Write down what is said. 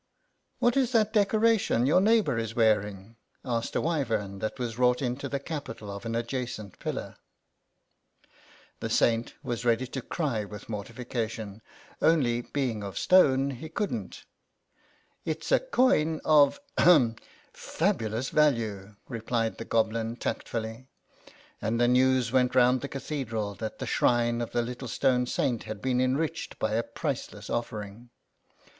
" What is that decoration your neighbour is wearing ?" asked a wyvern that was wrought into the capital of an adjacent pillar. THE SAINT AND THE GOBLIN 65 The Saint was ready to cry with mortifica tion, only, being of stone, he couldn't. " It's a coin of — ahem !— fabulous value," replied the Goblin tactfully. And the news went round the Cathedral that the shrine of the little stone Saint had been enriched by a priceless offering.